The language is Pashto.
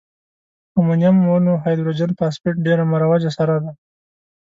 امونیم مونو هایدروجن فاسفیټ ډیره مروجه سره ده.